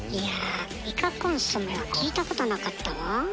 イカコンソメは聞いたことなかったわ。